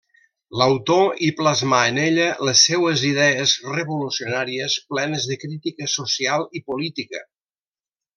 L'autor hi plasmà en ella les seues idees revolucionàries plenes de crítica social i política.